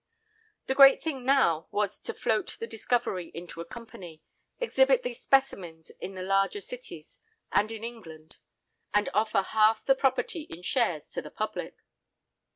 The great thing now was to float the discovery into a company, exhibit the specimens in the larger cities and in England, and offer half the property in shares to the public.